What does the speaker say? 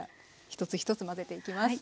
一つ一つ混ぜていきます。